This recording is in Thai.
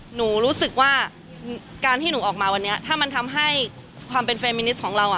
หนูรู้สึกว่าการที่หนูออกมาวันนี้ถ้ามันทำให้ความเป็นเฟรมมินิสของเรา